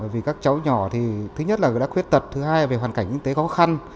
vì các cháu nhỏ thì thứ nhất là người đã khuyết tật thứ hai về hoàn cảnh kinh tế khó khăn